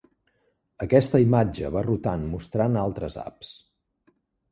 Aquesta imatge va rotant mostrant altres apps.